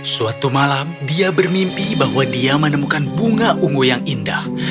suatu malam dia bermimpi bahwa dia menemukan bunga ungu yang indah